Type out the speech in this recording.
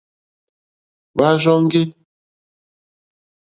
Hwá rzɔ́ŋgí.